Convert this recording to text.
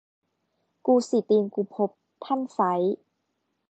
กูสี่ตีนกูพบ ท่านไซร้